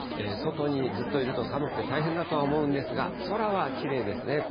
外にずっといると、寒くて大変だとは思うんですが、空はきれいですね。